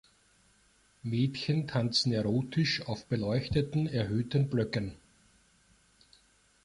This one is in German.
Mädchen tanzen erotisch auf beleuchteten erhöhten Blöcken.